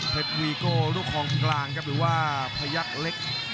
วีโก้ลูกคลองกลางครับหรือว่าพยักษ์เล็ก